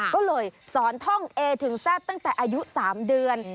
ก็เลยสอนท่องเอถึงแซ่บตั้งแต่อายุ๓เดือน